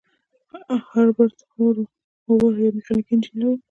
هربرت هوور یو میخانیکي انجینر و.